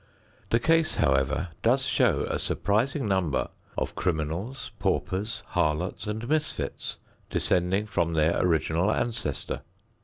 The case, however, does show a surprising number of criminals, paupers, harlots and misfits, descending from their original ancestor.